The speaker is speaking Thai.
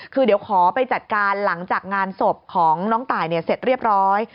คือเดี๋ยวขอไปจัดการหลังจากงานศพของน้องตายเสร็จเรียบร้อย